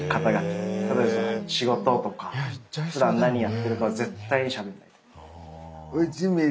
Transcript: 例えば仕事とかふだん何やってるかは絶対にしゃべんない。